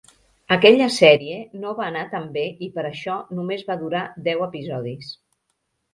Aquella sèrie no va anar tan bé i per això només va durar deu episodis.